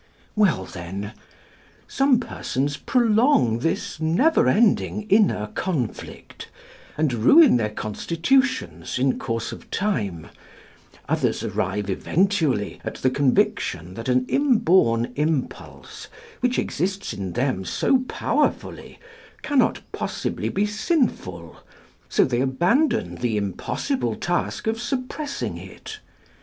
"Well then; some persons prolong this never ending inner conflict, and ruin their constitutions in course of time; others arrive eventually at the conviction that an inborn impulse, which exists in them so powerfully, cannot possibly be sinful so they abandon the impossible task of suppressing it.